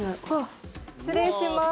失礼します。